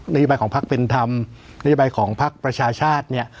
นโยบายของพักเป็นธรรมนโยบายของพักประชาชาติเนี่ย